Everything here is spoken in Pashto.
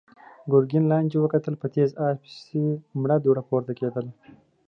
ګرګين لاندې وکتل، په تېز آس پسې مړه دوړه پورته کېدله.